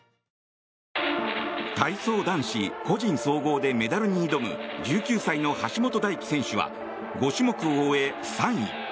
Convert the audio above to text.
体操男子個人総合でメダルに挑む１９歳の橋本大輝選手は５種目を終え３位。